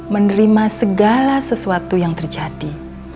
menerima segala sesuatu yang terjadi